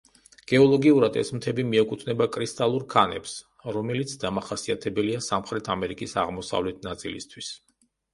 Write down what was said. გეოლოგიურად, ეს მთები მიეკუთვნება კრისტალურ ქანებს, რომელიც დამახასიათებელია სამხრეთ ამერიკის აღმოსავლეთ ნაწილისათვის.